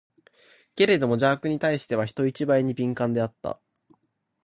けれども邪悪に対しては、人一倍に敏感であった。